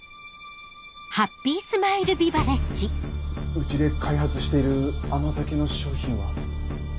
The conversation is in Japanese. うちで開発している甘酒の商品は。